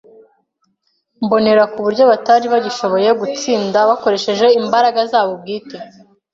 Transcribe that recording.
mbonera ku buryo batari bagishoboye gutsinda bakoresheje imbaraga zabo bwite.